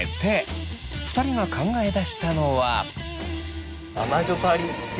２人が考えだしたのは。